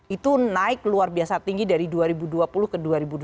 itu naik luar biasa tinggi dari dua ribu dua puluh ke dua ribu dua puluh